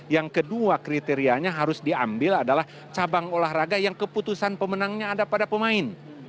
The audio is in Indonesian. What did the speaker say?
yang kedua kriterianya harus diambil adalah cabang olahraga yang keputusan pemenangnya ada pada pemain